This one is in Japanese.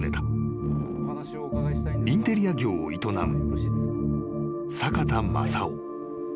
［インテリア業を営む坂田正夫］